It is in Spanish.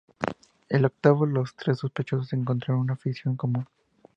En octavo, los tres sospechosos encontraron una afición común.